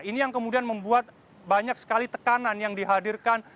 ini yang kemudian membuat banyak sekali tekanan yang dihadirkan